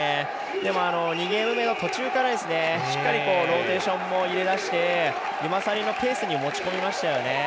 でも、２ゲーム目の途中からしっかりローテーションも入れだして、ユマサリのペースに持ち込みましたよね。